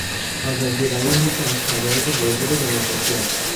آزادی بیان یکی از شرایط واجب دموکراسی است.